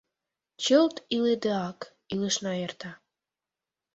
Чылт илыдеак, илышна эрта